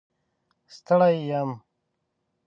ستړی یم